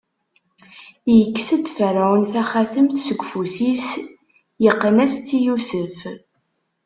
Ikkes-d Ferɛun taxatemt seg ufus-is, iqqen-as-tt i Yusef.